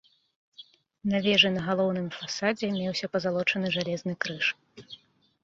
На вежы на галоўным фасадзе меўся пазалочаны жалезны крыж.